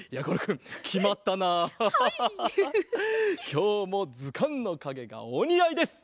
きょうもずかんのかげがおにあいです！